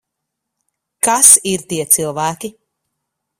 Kas ir tie cilvēki?